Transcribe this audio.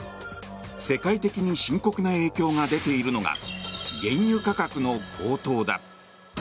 世界的に深刻な影響が出ているのが原油価格の高騰だ。